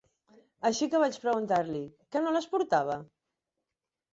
Així que vaig preguntar-li "Que no les portava?".